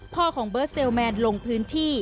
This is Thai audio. ของเบิร์ดเซลแมนลงพื้นที่